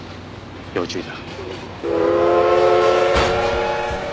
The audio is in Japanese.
要注意だ。